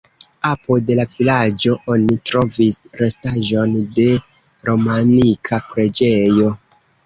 Apud la vilaĝo oni trovis restaĵon de romanika preĝejo.